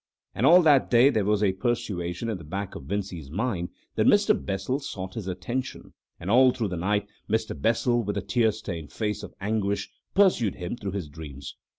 And all that day there was a persuasion in the back of Vincey's mind that Mr. Bessel sought his attention, and all through the night Mr. Bessel with a tear stained face of anguish pursued him through his dreams.